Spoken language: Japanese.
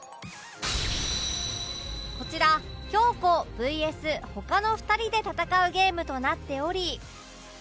こちら京子 ＶＳ 他の２人で戦うゲームとなっており